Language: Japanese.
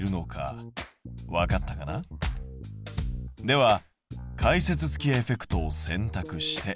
では解説付きエフェクトをせんたくして。